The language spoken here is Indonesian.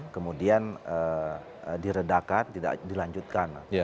kemudian diredakan dilanjutkan